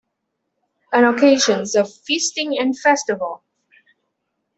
An occasion of feasting and festival.